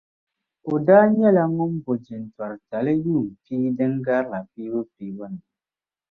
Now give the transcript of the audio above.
O daa nyɛla ŋun bo jintori tali yuun' pia din garila piibu piibu ni.